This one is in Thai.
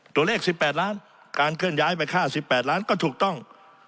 ตัวเลขสิบแปดล้านการเคลื่อนย้ายไปฆ่าสิบแปดล้านก็ถูกต้อง